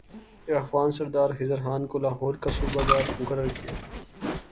ایک افغان سردار خضر خان کو لاہور کا صوبہ دار مقرر کیا